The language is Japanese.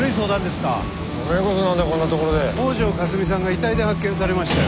北條かすみさんが遺体で発見されましたよ。